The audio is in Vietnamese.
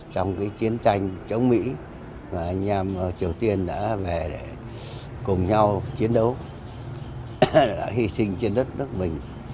trong chiến tranh chống mỹ triều tiên đã về cùng nhau chiến đấu hy sinh trên đất nước mình